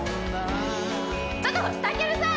ちょっとたけるさん